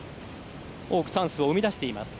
多くチャンスを生み出しています。